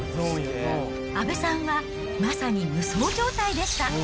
阿部さんはまさに無双状態でした。